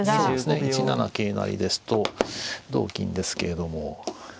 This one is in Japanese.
そうですね１七桂成ですと同金ですけれども。